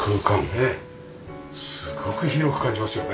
すごく広く感じますよね。